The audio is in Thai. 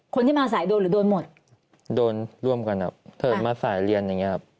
คนที่มาสายโดนหรือโดนหมดโดนร่วมกันครับเถิดมาสายเรียนอย่างเงี้ครับ